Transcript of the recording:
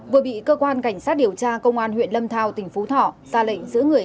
vừa bị cơ quan cảnh sát điều tra công an huyện lâm thao tỉnh phú thỏ ra lệnh giữ người